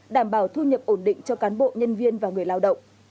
đảm bảo thu nhập ổn định cho cán bộ nhân viên và người lao động